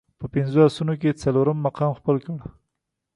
په پنځو اسونو کې یې څلورم مقام خپل کړ.